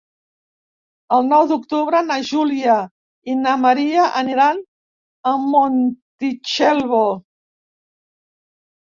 El nou d'octubre na Júlia i na Maria aniran a Montitxelvo.